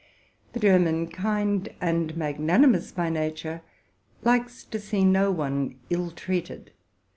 The Germans, kind and magnanimous by nature, like to see no one ill treated.